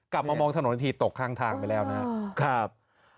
กลับมามองถนนอีกทีตกข้างทางไปแล้วนะครับ